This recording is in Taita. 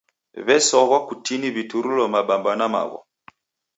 W'esoghwa kutini w'ituruo mabamba na magho.